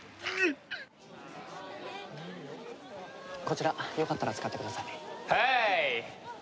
こちらよかったら使ってください。